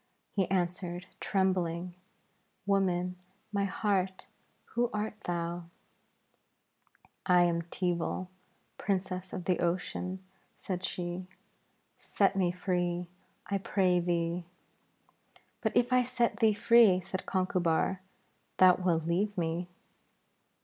He answered, trembling, 'Woman, my heart, who art thou?' 'I am Teeval, Princess of the Ocean,' said she. 'Set me free, I pray thee.' 'But if I set thee free,' said Conchubar, 'thou wilt leave me.'